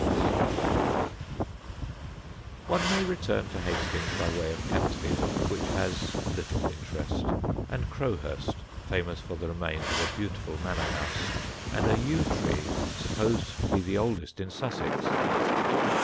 [Sidenote: CROWHURST] One may return to Hastings by way of Catsfield, which has little interest, and Crowhurst, famous for the remains of a beautiful manor house and a yew tree supposed to be the oldest in Sussex.